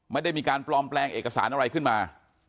ไม่ได้มีการปลอมแปลงเอกสารอะไรขึ้นมา